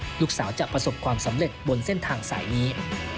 ลูกสาวจะประสบความสำเร็จบนเส้นทางสายนี้